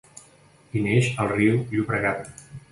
Hi neix el riu Llobregat.